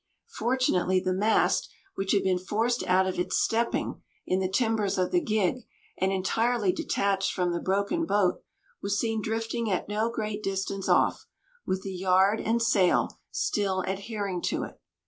Fortunately the mast, which had been forced out of its "stepping" in the timbers of the gig and entirely detached from the broken boat, was seen drifting at no great distance off, with the yard and sail still adhering to it.